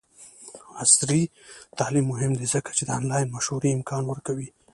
عصري تعلیم مهم دی ځکه چې د آنلاین مشورې امکان ورکوي.